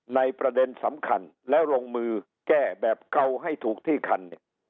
ในประเด็นสำคัญและลงมือแก้แบบเขาให้ถูกที่คัน